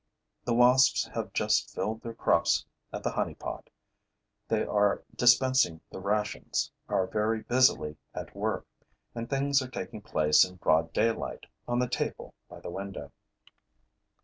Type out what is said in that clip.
The wasps have just filled their crops at the honey pot; they are dispensing the rations, are very busily at work; and things are taking place in broad daylight, on the table by the window.